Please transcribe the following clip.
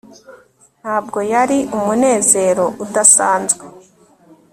Ntabwo yari umunezero udasanzwe